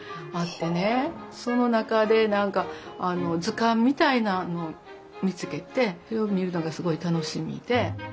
その中で何か図鑑みたいなのを見つけてそれを見るのがすごい楽しみで。